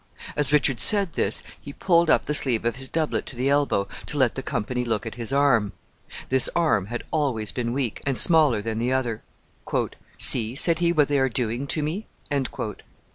As Richard said this, he pulled up the sleeve of his doublet to the elbow, to let the company look at his arm. This arm had always been weak, and smaller than the other. "See," said he, "what they are doing to me."